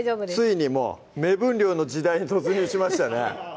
ついにもう目分量の時代に突入しましたね